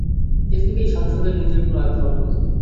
ফেসবুকে এই সাংসদের নিজের কোনো অ্যাকাউন্ট নেই।